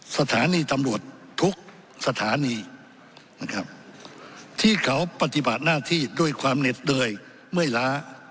สถานีตำรวจทุกสถานีนะครับที่เขาปฏิบัติหน้าที่ด้วยความเหน็ดเหนื่อยเมื่อยล้า